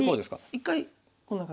１回こんな感じ。